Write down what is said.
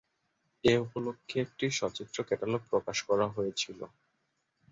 এ উপলক্ষে একটি সচিত্র ক্যাটালগ প্রকাশ করা হয়েছিল।